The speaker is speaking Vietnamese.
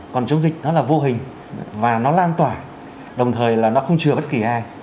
còn chống dịch nó là vô hình và nó lan tỏa đồng thời là nó không chừa bất kỳ ai